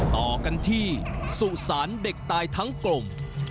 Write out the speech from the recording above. ต่อกันที่สุสานเด็กตายทั้งกลม